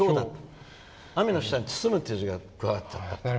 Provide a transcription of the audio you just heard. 雨の下に「包」という字が加わっちゃった。